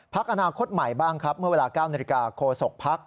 พักอนาคตใหม่บ้างครับเมื่อเวลา๙นโคศกพัก